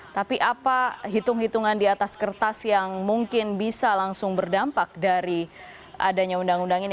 tapi apa hitung hitungan di atas kertas yang mungkin bisa langsung berdampak dari adanya undang undang ini